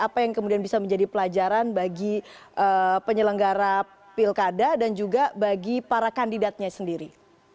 apa yang kemudian bisa menjadi pelajaran bagi penyelenggara pilkada dan juga bagi para kandidatnya sendiri